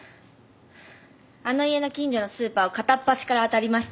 あの家の近所のスーパーを片っ端から当たりました。